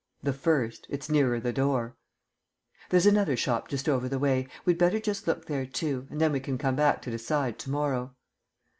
"The first; it's nearer the door." "There's another shop just over the way. We'd better just look there too, and then we can come back to decide to morrow."